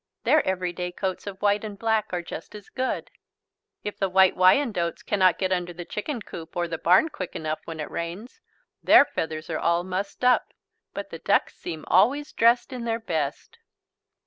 Their everyday coats of white and black are just as good. If the White Wyandottes cannot get under the chicken coop or the barn quick enough when it rains, their feathers are all mussed up but the ducks seem always dressed in their best.